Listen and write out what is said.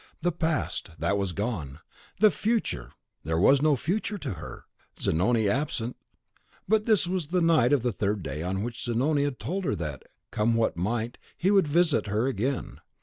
The past! that was gone! The future! there was no future to her, Zanoni absent! But this was the night of the third day on which Zanoni had told her that, come what might, he would visit her again.